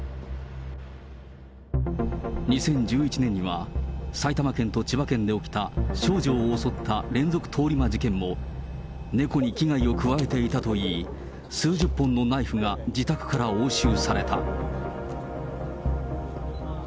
２０１１年には、埼玉県と千葉県で起きた、少女を襲った連続通り魔事件も猫に危害を加えていたといい、数十本のナイフが自宅から押収された。